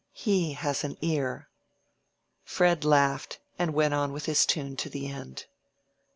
"He has an ear." Fred laughed, and went on with his tune to the end.